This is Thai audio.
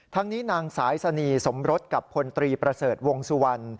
ทั้งนี้นางสายสนีสมรสกับพลตรีประเสริฐวงสุวรรณ